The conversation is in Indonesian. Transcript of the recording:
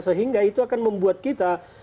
sehingga itu akan membuat kita